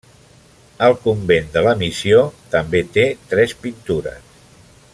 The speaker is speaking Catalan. Al Convent de la Missió també té tres pintures.